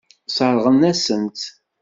Sseṛɣen-asen-tt.